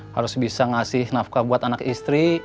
harus bisa ngasih nafkah buat anak istri